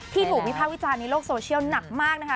ถูกวิภาควิจารณ์ในโลกโซเชียลหนักมากนะคะ